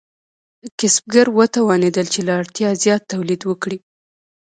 کسبګر وتوانیدل چې له اړتیا زیات تولید وکړي.